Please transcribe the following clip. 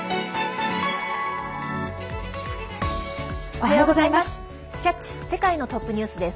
おはようございます。